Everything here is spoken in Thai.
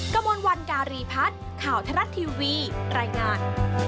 กระมวลวันการีพัฒน์ข่าวทรัฐทีวีรายงาน